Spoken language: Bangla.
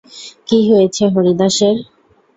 কী হয়েছে হরিদাসের?